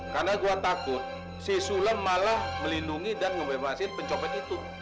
karena gue takut si sule malah melindungi dan membebasi pencopet itu